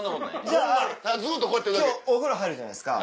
じゃあ今日お風呂入るじゃないですか。